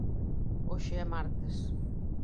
Hoxe é martes.